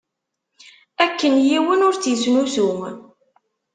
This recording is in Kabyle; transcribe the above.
Akken yiwen ur tt-isnusu.